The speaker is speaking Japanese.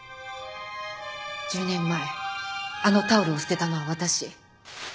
１０年前あのタオルを捨てたのは私。